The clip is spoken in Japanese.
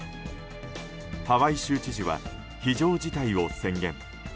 ハワイ州知事は非常事態を宣言。